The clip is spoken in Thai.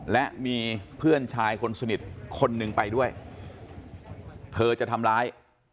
และมีเพื่อนชายคนสนิทคนหนึ่งไปด้วยเธอจะทำร้าย